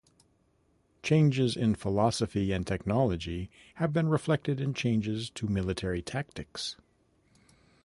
Changes in philosophy and technology have been reflected in changes to military tactics.